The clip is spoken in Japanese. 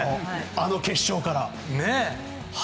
あの決勝から。